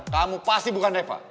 kamu pasti bukan reva